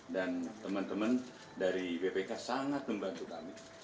dan teman teman dari bpk sangat membantu kami